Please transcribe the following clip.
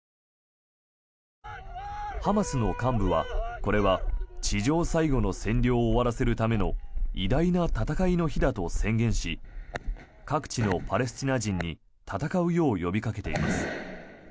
ハマスの幹部はこれは地上最後の占領を終わらせるための偉大な戦いの日だと宣言し各地のパレスチナ人に戦うよう呼びかけています。